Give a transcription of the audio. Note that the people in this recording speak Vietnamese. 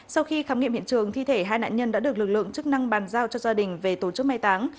sau khi khám nghiệm hiện trường thi thể hai nạn nhân đã được lực lượng chức năng bàn giao cho gia đình về tổ chức mai táng